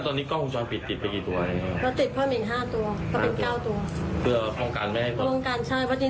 บางทีก็หายของยุ่งก็ไม่ได้ดู